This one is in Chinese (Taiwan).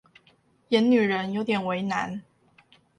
演女人有點為難